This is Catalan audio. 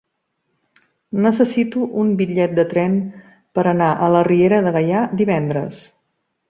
Necessito un bitllet de tren per anar a la Riera de Gaià divendres.